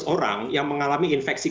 dua ratus orang yang mengalami infeksi